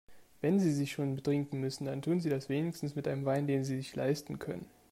Wenn Sie sich schon betrinken müssen, dann tun Sie das wenigstens mit einem Wein, den Sie sich leisten können.